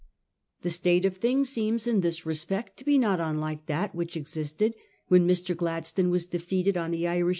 The state of things seems in this respect to he not unlike that which existed when Mr. Gladstone was defeated on the Irish.